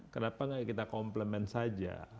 kenapa nggak kita komplement saja